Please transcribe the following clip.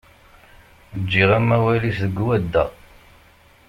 Ǧǧiɣ amawal-is deg wadda.